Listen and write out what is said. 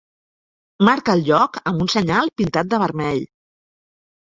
Marca el lloc amb un senyal pintat de vermell.